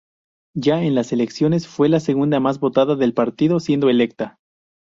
Ya en las elecciones, fue la segunda más votada del partido, siendo electa.